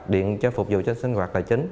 điện cho phục vụ cho sinh hoạt là chính